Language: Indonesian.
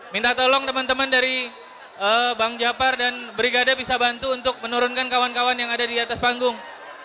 minta tolong teman teman dari bang japar dan brigada bisa bantu untuk menurunkan kawan kawan yang ada di atas panggung